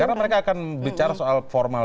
karena mereka akan bicara soal formal